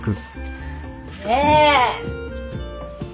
ねえ！